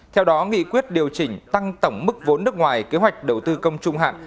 theo đó nghị quyết điều chỉnh tăng tổng mức vốn nước ngoài kế hoạch đầu tư công trung hạn